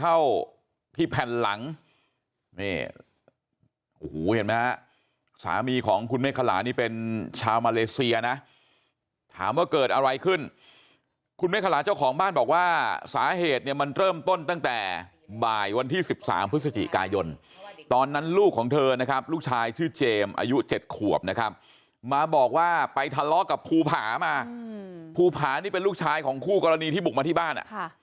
เข้าที่แผ่นหลังนี่โอ้โหเห็นไหมฮะสามีของคุณเมฆขลานี่เป็นชาวมาเลเซียนะถามว่าเกิดอะไรขึ้นคุณเมฆขลาเจ้าของบ้านบอกว่าสาเหตุเนี่ยมันเริ่มต้นตั้งแต่บ่ายวันที่๑๓พฤศจิกายนตอนนั้นลูกของเธอนะครับลูกชายชื่อเจมส์อายุ๗ขวบนะครับมาบอกว่าไปทะเลาะกับภูผามาภูผานี่เป็นลูกชายของคู่กรณีที่บุกมาที่บ้าน